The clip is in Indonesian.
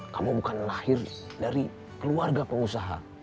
kamu bukan lahir dari keluarga pengusaha